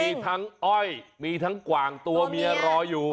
มีทั้งอ้อยมีทั้งกว่างตัวเมียรออยู่